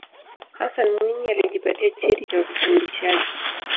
hassan mwinyi alijipatia cheti cha ufundishaji